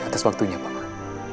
atas waktunya pamanah